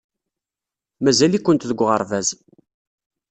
Mazal-ikent deg uɣerbaz.